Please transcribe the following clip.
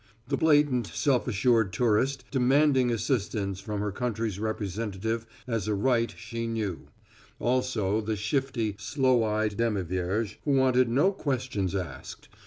The blatant, self assured tourist demanding assistance from her country's representative as a right she knew; also the shifty, sloe eyed demi vierge who wanted no questions asked.